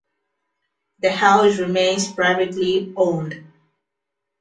The house remains privately owned.